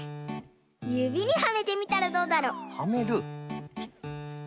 ゆびにはめてみたらどうだろ？はめる？